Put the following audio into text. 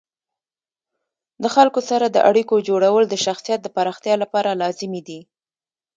د خلکو سره د اړیکو جوړول د شخصیت د پراختیا لپاره لازمي دي.